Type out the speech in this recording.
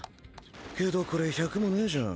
けどこれ１００もねぇじゃん。